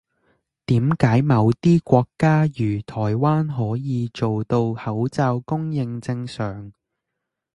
點解某啲國家如台灣可以做到口罩供應正常